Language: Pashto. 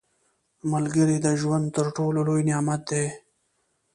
• ملګری د ژوند تر ټولو لوی نعمت دی.